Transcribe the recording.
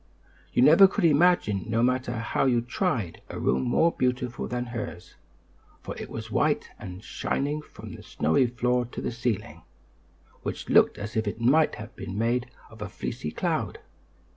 You never could imagine, no matter how you tried, a room more beautiful than hers; for it was white and shining from the snowy floor to the ceiling, which looked as if it might have been made of a fleecy cloud.